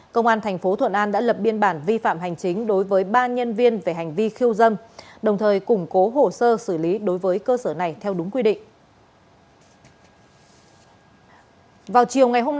công an thành phố thuận an đã lập biên bản vi phạm hành chính đối với ba nhân viên về hành vi khiêu dâm đồng thời củng cố hồ sơ xử lý đối với cơ sở này theo đúng quy định